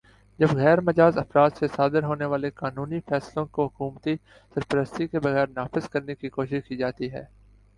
جب غیر مجازافراد سے صادر ہونے والے قانونی فیصلوں کو حکومتی سرپرستی کے بغیر نافذ کرنے کی کوشش کی جاتی ہے